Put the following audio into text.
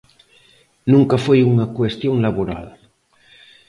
Nunca foi unha cuestión laboral.